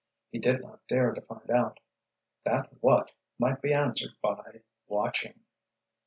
He did not dare to find out. That "what" might be answered by "watching!"